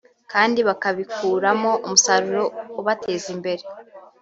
kandi bakabikuramo umusaruro ubateza imbere